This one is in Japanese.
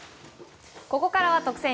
ここからは特選！